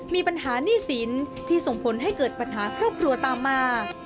มีปัญหาหนี้สินที่ส่งผลให้เกิดปัญหาครอบครัวตามมา